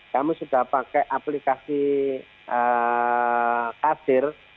kami sudah pakai aplikasi kasir